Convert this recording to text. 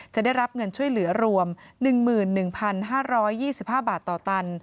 จะได้รับเงินช่วยเหลือรวม๑๑๕๒๕บาทต่อตัน